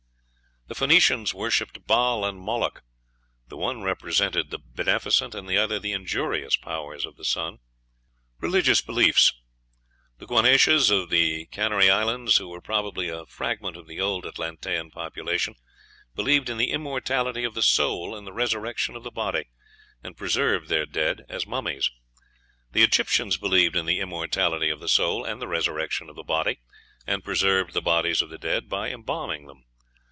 The Phoenicians worshipped Baal and Moloch; the one represented the beneficent, and the other the injurious powers of the sun. Religious Beliefs. The Guanches of the Canary Islands, who were probably a fragment of the old Atlantean population, believed in the immortality of the soul and the resurrection of the body, and preserved their dead as mummies. The Egyptians believed in the immortality of the soul and the resurrection of the body, and preserved the bodies of the dead by embalming them.